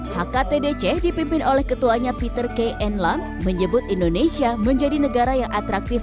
hktdc dipimpin oleh ketuanya peter k enlam menyebut indonesia menjadi negara yang atraktif